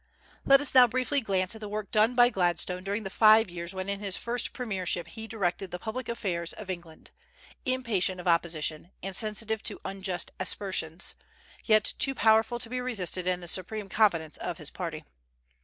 Let us now briefly glance at the work done by Gladstone during the five years when in his first premiership he directed the public affairs of England, impatient of opposition, and sensitive to unjust aspersions, yet too powerful to be resisted in the supreme confidence of his party.